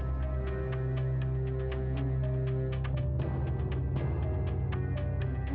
terima kasih om